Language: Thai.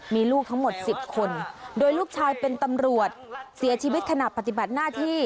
มีลูกทั้งหมด๑๐คนโดยลูกชายเป็นตำรวจเสียชีวิตขณะปฏิบัติหน้าที่